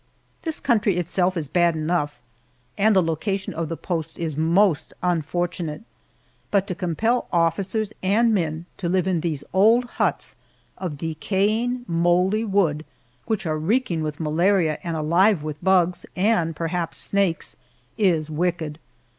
This country itself is bad enough, and the location of the post is most unfortunate, but to compel officers and men to live in these old huts of decaying, moldy wood, which are reeking with malaria and alive with bugs, and perhaps snakes, is wicked.